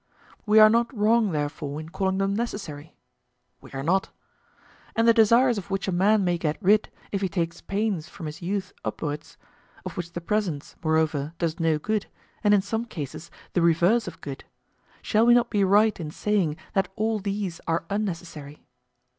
We are not wrong therefore in calling them necessary? We are not. And the desires of which a man may get rid, if he takes pains from his youth upwards—of which the presence, moreover, does no good, and in some cases the reverse of good—shall we not be right in saying that all these are unnecessary?